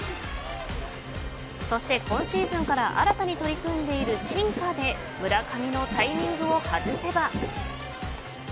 そして今シーズンから新たに取り組んでいるシンカーで村上のタイミングを外せば。